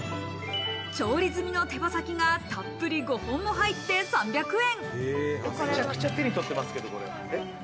調理済みの手羽先がたっぷり５本も入って３００円。